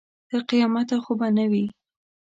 تر قیامته خو به نه وي.